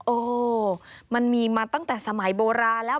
โอ้มันมีมาตั้งแต่สมัยโบราณแล้ว